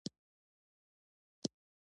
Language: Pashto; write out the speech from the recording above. زراعتي کارونه علمي دي.